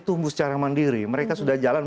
tumbuh secara mandiri mereka sudah jalan